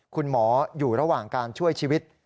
คุณหมออยู่ระหว่างการช่วยชีวิต